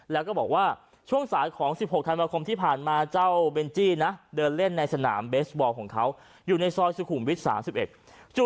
แล้วก็บอกว่าช่วงสายของ๑๖ธันบาคมที่ผ่านมาเจ้าเบนจี้นะเดินเล่นในสนามเบสบอลของเขาอยู่ในซอยสุขุมวิช๓๑